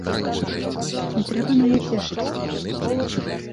Не трэба мяне цешыць.